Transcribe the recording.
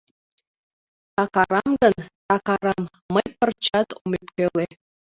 Так арам гын, так арам, мый пырчат ом ӧпкеле.